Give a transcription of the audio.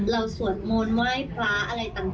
เราสวดม้อนไหว้พระอะไรต่าง